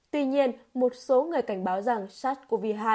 tuy nhiên một số người cảnh báo rằng sars cov hai